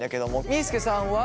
みーすけさんは。